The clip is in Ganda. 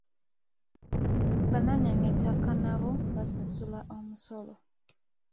Bannannyini ttaka nabo basasula omusolo.